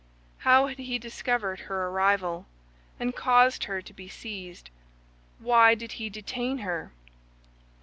How had he discovered her arrival, and caused her to be seized? Why did he detain her?